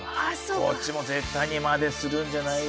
こっちも絶対にマネするんじゃないよ。